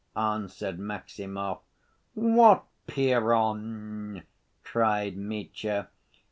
answered Maximov. "What Piron?" cried Mitya.